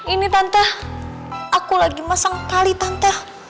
ini tante aku lagi masang tali tante